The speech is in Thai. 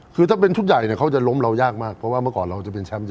คือถ้าเป็นชุดใหญ่เนี่ยเขาจะล้มเรายากมากเพราะว่าเมื่อก่อนเราจะเป็นแชมป์